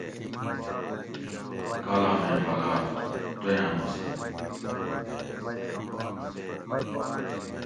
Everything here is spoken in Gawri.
کالامیں حالات (دویام حصہ)